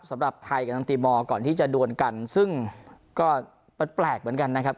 สำหรับไทยกับทางตีมอร์ก่อนที่จะดวนกันซึ่งก็แปลกเหมือนกันนะครับ